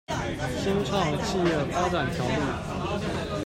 新創企業發展條例